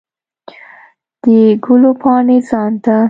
د ګلو پاڼې ځان ته